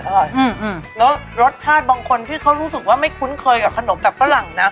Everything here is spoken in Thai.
อร่อยอืมแล้วรสชาติบางคนที่เขารู้สึกว่าไม่คุ้นเคยกับขนมแบบฝรั่งนะ